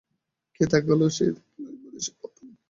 কে তাকালো কে দেখল এসবকে তখন পাত্তাই দিইনি।